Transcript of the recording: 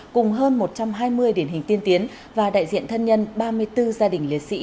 cùng hơn một trăm hai mươi điển hình tiên tiến và đại diện thân nhân ba mươi bốn gia đình liệt sĩ